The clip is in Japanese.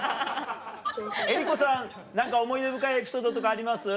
えりこさん何か思い出深いエピソードとかあります？